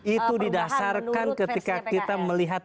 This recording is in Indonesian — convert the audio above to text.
itu didasarkan ketika kita melihat